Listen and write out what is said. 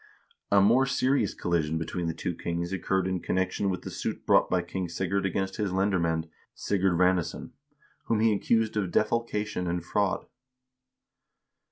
x A more serious collision between the two kings occurred in con nection with the suit brought by King Sigurd against his lendermand Sigurd Ranesson, whom he accused of defalcation and fraud.